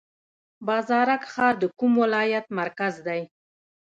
بازارک ښار د کوم ولایت مرکز دی؟